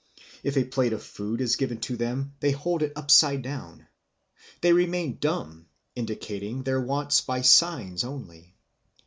If a plate of food is given to them, they hold it upside down. They remain dumb, indicating their wants by signs only.